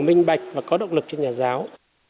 minh bạch và có độc lực cho nhà giáo